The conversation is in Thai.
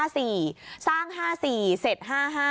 สร้าง๑๙๕๔เสร็จ๑๙๕๕